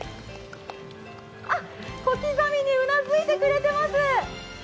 小刻みにうなずいてくれています。